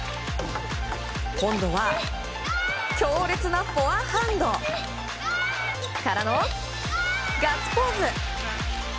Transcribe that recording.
今度は強烈なフォアハンド！からの、ガッツポーズ！